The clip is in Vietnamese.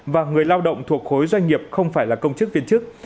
và người lao động thuộc khối doanh nghiệp không phải là công chức viên chức